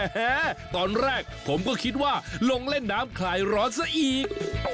ตอนแรกผมก็คิดว่าลงเล่นน้ำคลายร้อนซะอีก